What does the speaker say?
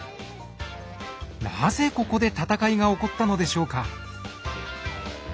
なぜここで戦いが起こったのでしょうか？